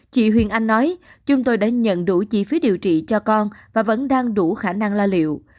chị huyền anh nói chúng tôi đã nhận đủ chi phí điều trị cho con và vẫn đang đủ khả năng la liệu